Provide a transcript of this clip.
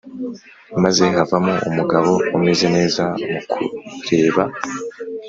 maze havamo umugabo umeze neza mukureba